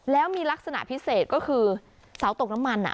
แล้วมีลักษณะพิเศษก็คือเสาตกน้ำมัน